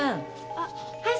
あっはい。